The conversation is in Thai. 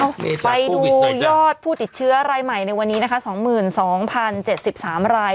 เอาไปดูยอดผู้ติดเชื้อรายใหม่ในวันนี้นะคะสองหมื่นสองพันเจ็ดสิบสามราย